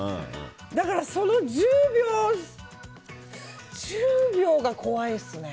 だからその１０秒が怖いですね。